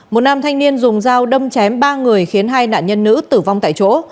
một nam thanh niên dùng dao đâm chém ba người khiến hai nạn nhân nữ tử vong tại chỗ